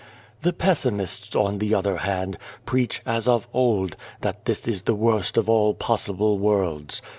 The Pessimists, on the other hand, preach, as of old, that this is the worst of all possible worlds.